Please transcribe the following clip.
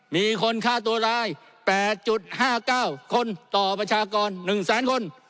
มีคนฆ่าตัวร้าย๘๕๙คนต่อประชากร๑แสนคน